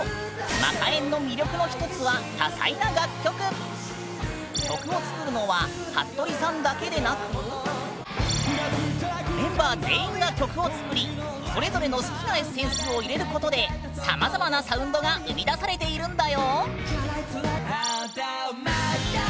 マカえんの魅力の一つは曲を作るのははっとりさんだけでなくメンバー全員が曲を作りそれぞれの好きなエッセンスを入れることでさまざまなサウンドが生み出されているんだよ！